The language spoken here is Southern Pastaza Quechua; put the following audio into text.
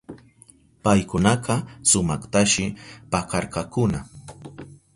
Paykunaka sumaktashi pakarkakuna.